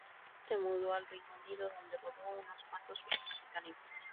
Moto", se mudó al Reino Unido, donde rodó unos cuantos filmes británicos.